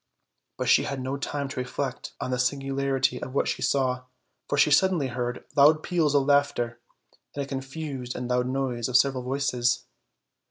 But she had no time to reflect on the singularity of what she saw, for she sud denly heard loud peak of laughter, and a confused and loud noise of several voices.